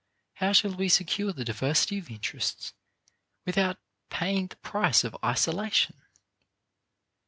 How shall we secure the diversity of interests, without paying the price of isolation?